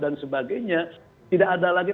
dan sebagainya tidak ada lagi